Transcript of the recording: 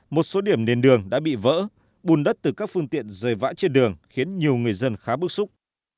một số điểm nền đường đã bị vỡ bùn đất từ các phương tiện rời vãi trên đường khiến nhiều người dân khá bức xúc